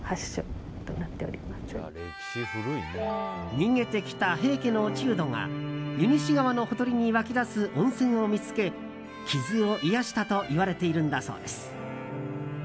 逃げてきた平家の落人が湯西川のほとりに湧き出す温泉を見つけ、傷を癒やしたといわれているんだそうです。